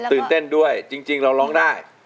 ตื่นเต้นด้วยจริงเราร้องได้